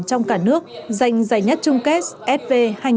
trong cả nước giành giải nhất trung kết sv hai nghìn hai mươi